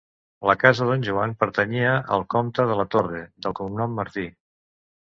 La Casa Don Joan pertanyia al Comte de la Torre, de cognom Martí.